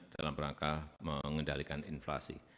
dalam rangka mengendalikan inflasi